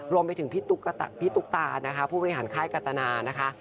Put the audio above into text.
รวมไปถึงพี่ตุ๊กตานะคะผู้บริหารค่ายกัตนานะคะ